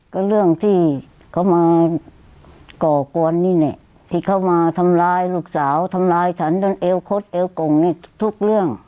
ก็เรื่องที่เขามาก่อกวนนี่แหละที่เขามาทำร้ายลูกสาวทำร้ายฉันจนเอวคดเอวกงนี่ทุกเรื่อง